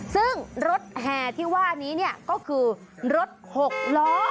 ซึ่งรถแห่ที่ว่านี้เนี่ยก็คือรถ๖ล้อ